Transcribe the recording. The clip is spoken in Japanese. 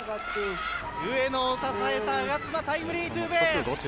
上野を支えた我妻のタイムリーツーベース！